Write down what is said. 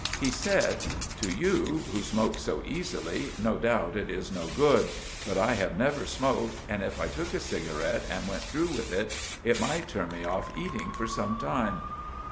He said— "To you, who smoak so eesily, no dout it is no good, but I have never smoaked, and if I took a cigaret and went through with it, it might turn me off eating for some time."